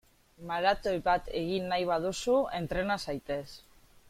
Maratoi bat egin nahi baduzu, entrena zaitez!